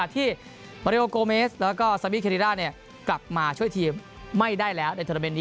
ที่มาริโอโกเมสแล้วก็ซามิเคริด้ากลับมาช่วยทีมไม่ได้แล้วในโทรเมนต์นี้